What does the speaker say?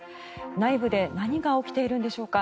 内部で何が起きているんでしょうか。